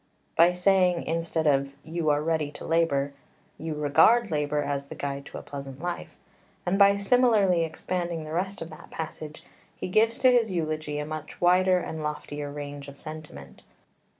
By saying, instead of "you are ready to labour," "you regard labour as the guide to a pleasant life," and by similarly expanding the rest of that passage, he gives to his eulogy a much wider and loftier range of sentiment.